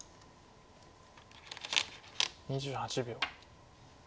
２８秒。